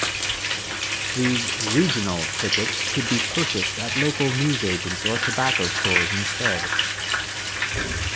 These "regional" tickets could be purchased at local newsagents or tobacco stores instead.